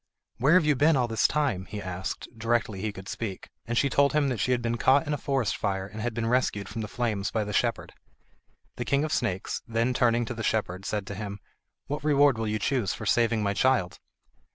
"Where have you been all this time?" he asked, directly he could speak, and she told him that she had been caught in a forest fire, and had been rescued from the flames by the shepherd. The King of the Snakes, then turning to the shepherd, said to him: "What reward will you choose for saving my child?"